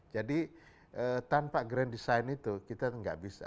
jadi tanpa grand design itu kita nggak bisa